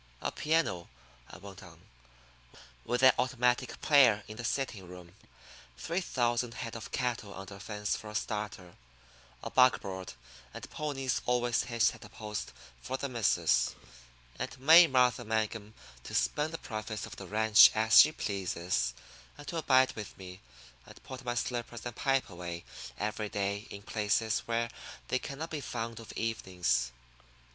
A piano," I went on, "with an automatic player in the sitting room, three thousand head of cattle under fence for a starter, a buckboard and ponies always hitched at a post for 'the missus' and May Martha Mangum to spend the profits of the ranch as she pleases, and to abide with me, and put my slippers and pipe away every day in places where they cannot be found of evenings.